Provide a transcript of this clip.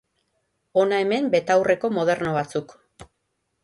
Hona hemen betaurreko moderno batzuk.